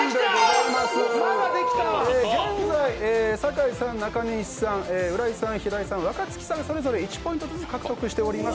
現在、酒井さん、中西さん、浦井さん、平井さん、若槻さんそれぞれ１ポイントずつ獲得しております。